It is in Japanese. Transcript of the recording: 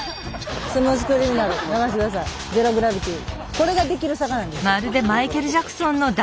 これができる坂なんですよ。